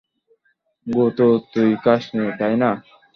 গু তো তুই খাস নি, তাই না?